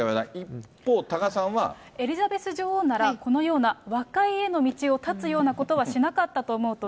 一方、多賀さんは。エリザベス女王なら、このような和解への道を断つようなことはしなかったと思うと。